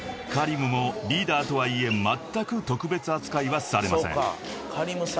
［Ｋａｒｉｍもリーダーとはいえまったく特別扱いはされません］